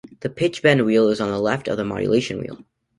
The pitch-bend wheel is on the left of the modulation wheel.